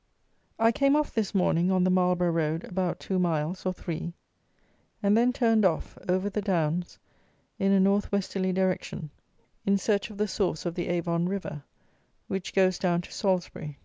_ I came off this morning on the Marlborough road about two miles, or three, and then turned off, over the downs, in a north westerly direction, in search of the source of the Avon River, which goes down to Salisbury.